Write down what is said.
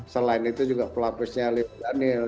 selain itu juga pelapisnya lift daniel